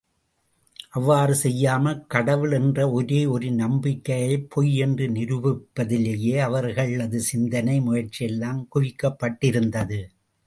அவ்வாறு செய்யாமல் கடவுள் என்ற ஒரே ஒரு நம்பிக்கையைப் பொய் என்று நிரூபிப்பதிலேயே அவர்களது சிந்தனை முயற்சியெல்லாம் குவிக்கப்பட்டிருந்தது.